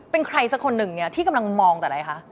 เป็นใครสักคนหนึ่งที่กำลังมองตัวอะไรคะ